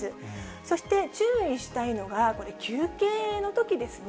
そして注意したいのがこれ、休憩のときですね。